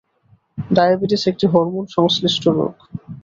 Diabetes একটি hormone সংশ্লিষ্ট রোগ।